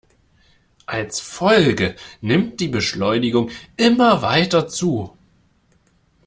Als Folge nimmt die Beschleunigung immer weiter zu.